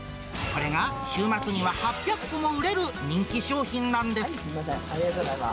これが週末には８００個も売れる人気商品なんです。